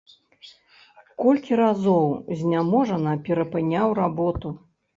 Колькі разоў зняможана перапыняў работу.